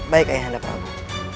baik ayahanda prabu